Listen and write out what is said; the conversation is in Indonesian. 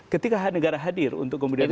ketika negara hadir untuk mengatur itu